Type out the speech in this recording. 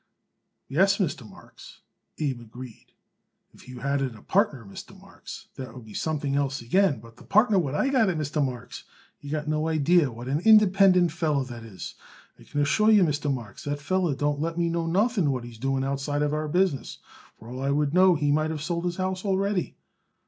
"Yes, Mr. Marks," Abe agreed, "if you had it a partner, Mr. Marks, that would be something else again, but the partner what I got it, Mr. Marks, you got no idee what an independent feller that is. I can assure you, Mr. Marks, that feller don't let me know nothing what he is doing outside of our business. For all I would know, he might of sold his house already."